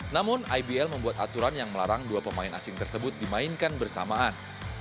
namun ibl membuat aturan yang melarang dua pemain asing tersebut dimainkan bersamaan